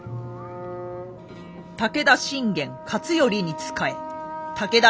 武田信玄勝頼に仕え武田